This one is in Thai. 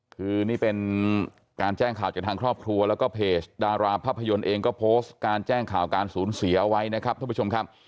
คือนี่เป็นการแจ้งข่าวจากทางครอบครัวแล้วก็เพจดาราภาพยนตร์เองก็โพสต์การแจ้งข่าวการสูญเสียเอาไว้นะครับท่านผู้ชมครับ